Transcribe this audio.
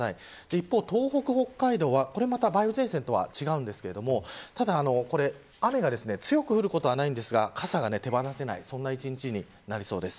一方で東北、北海道は梅雨前線と違うんですけど雨が強く降ることはないんですが傘が手放せない一日になりそうです。